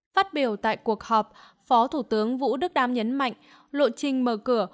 phát biểu tại cuộc họp phó thủ tướng vũ đức đam nhấn mạnh lộ trình mở cửa